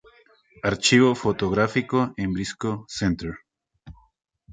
Archivo fotográfico en Briscoe Center